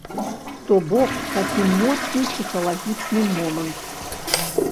То бок, такі моцны псіхалагічны момант.